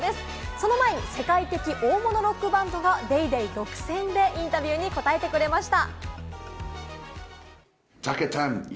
その前に世界的大物ロックバンドが『ＤａｙＤａｙ．』独占でインタビューに答えてくれました。